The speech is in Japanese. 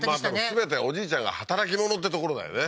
全てはおじいちゃんが働き者ってところだよね